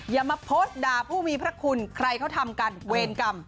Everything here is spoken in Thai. อย่ามาโพสต์ด่าผู้มีพระคุณใครเขาทำกันเวรกรรม